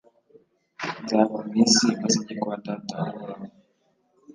Nzava mu isi maze njye kwa Data Uhoraho